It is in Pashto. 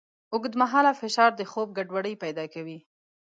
اوږدمهاله فشار د خوب ګډوډۍ پیدا کوي.